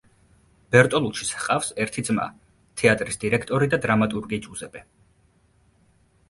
ბერტოლუჩის ჰყავს ერთი ძმა, თეატრის დირექტორი და დრამატურგი ჯუზეპე.